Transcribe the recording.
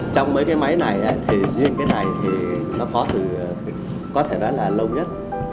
trong mấy cái máy này thì riêng cái này thì nó có từ có thể nói là lâu nhất